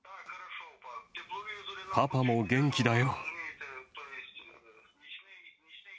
パパも元気だよ。